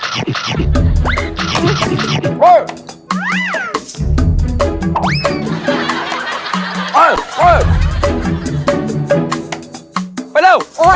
ไปเร็ว